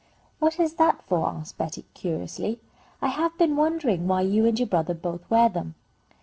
"What is that for?" asked Betty, curiously. "I have been wondering why you and your brother both wear them."